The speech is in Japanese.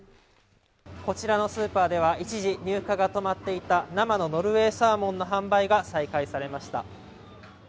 こちらのスーパーでは、一時入荷が止まっていた生のノルウェーサーモンの販売が再開されました。